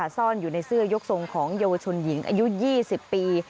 ซ่อนอยู่ในเสื้อยกทรงของเยาวชนหญิงอายุ๒๐ปี